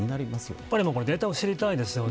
やはりデータを知りたいですよね。